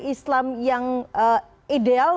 islam yang ideal